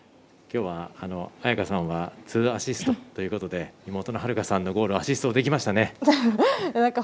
きょうは亜矢可さんは２アシストということで妹の秦留可さんのゴールアシストできましたね。